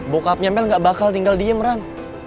bokapnya mel gak bakal tinggal diem ran